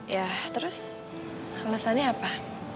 ya terus alesannya apa